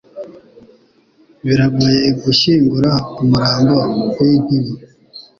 Biragoye gushyingura umurambo w'inkima.